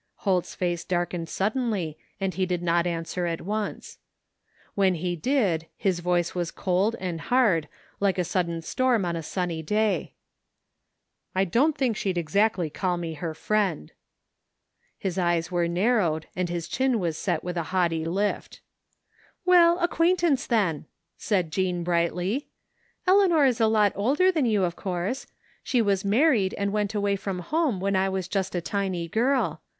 Holt's face darkened suddenly and he did not an swer at once. When he did his voice was cold and hard like a sudden storm on a sunny day. " I don't think she'd exactly call me her friend !" His eyes were narrowed, and his chin was set with a haughty lift. " Well, acquaintance, then," said Jean brightly. " Eleanor is a lot older than you, of course. She was married and went away from home when I was just a tiny girl.